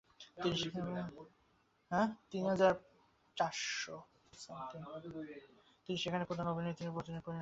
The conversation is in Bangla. তিনি সেখানে প্রধান অভিনেত্রীতে পরিণত হন।